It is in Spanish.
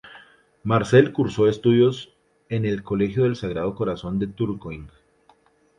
Marcel cursó estudios en el Colegio del Sagrado Corazón de Tourcoing.